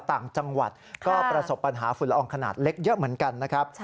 ต่างจังหวัดก็ประสบปัญหาฝุ่นละอองขนาดเล็กเยอะเหมือนกันนะครับ